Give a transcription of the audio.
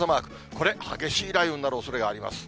これ、激しい雷雨になるおそれがあります。